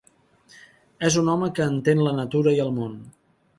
És un home que entén la natura i el món.